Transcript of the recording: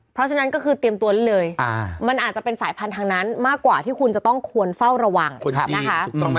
เพราะฉะนั้นก็คือเตรียมตัวนั้นเลยมันอาจจะเป็นสายพันธุ์ทางนั้นมากกว่าที่คุณจะต้องควรเฝ้าระวังนะคะ